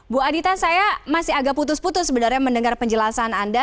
bu adita saya masih agak putus putus sebenarnya mendengar penjelasan anda